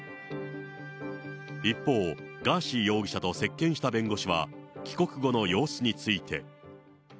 一方、ガーシー容疑者と接見した弁護士は、帰国後の様子について。